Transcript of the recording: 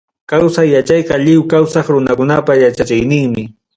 Kawsay yachayqa lliw kawsaq runakunapa yachachiyninmi.